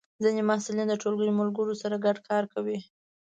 ځینې محصلین د ټولګی ملګرو سره ګډ کار کوي.